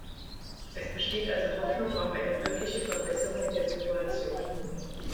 Es besteht also Hoffnung auf eine wirkliche Verbesserung der Situation.